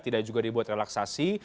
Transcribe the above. tidak juga dibuat relaksasi